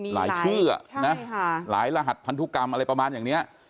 หลายชื่อหลายรหัสพันธุกรรมอะไรประมาณอย่างนี้